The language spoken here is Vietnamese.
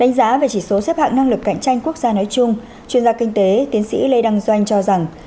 đánh giá về chỉ số xếp hạng năng lực cạnh tranh quốc gia nói chung chuyên gia kinh tế tiến sĩ lê đăng doanh cho rằng